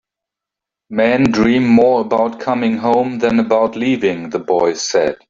"Men dream more about coming home than about leaving," the boy said.